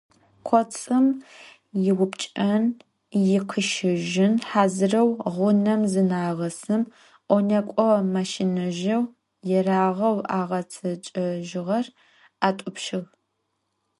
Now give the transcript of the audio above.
Коцым иупкӏэн, икъищыжьын хьазырэу гъунэм зынагъэсым, ӏонэкӏо машинэжъэу ерагъэу агъэцэкӏэжьыгъэр атӏупщыгъ.